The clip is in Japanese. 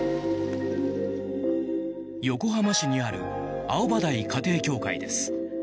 横浜市にある青葉台家庭教会です。